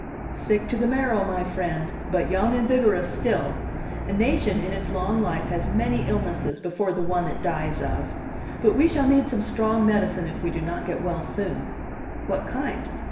"Sick to the marrow, my friend; but young and vigorous still. A nation in its long life has many illnesses before the one it dies of. But we shall need some strong medicine if we do not get well soon." "What kind?"